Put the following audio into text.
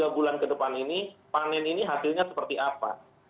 tiga bulan ke depan ini panen ini hasilnya seperti apa